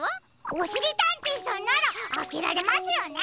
おしりたんていさんならあけられますよね！